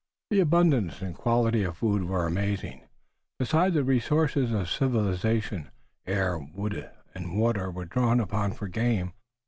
The abundance and quality of the food were amazing. Besides the resources of civilization, air, wood and water were drawn upon for game.